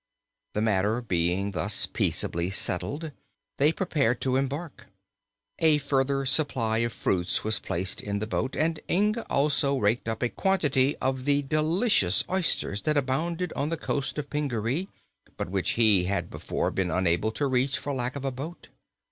The matter being thus peaceably settled, they prepared to embark. A further supply of fruits was placed in the boat and Inga also raked up a quantity of the delicious oysters that abounded on the coast of Pingaree but which he had before been unable to reach for lack of a boat.